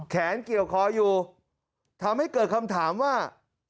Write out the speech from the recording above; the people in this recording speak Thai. เกี่ยวคออยู่ทำให้เกิดคำถามว่า